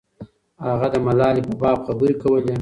هغه د ملالۍ په باب خبرې کولې.